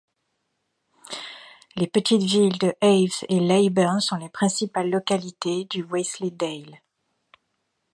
Les petites villes de Hawes et Leyburn sont les principales localités du Wensleydale.